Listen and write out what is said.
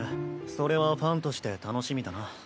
それはファンとして楽しみだな。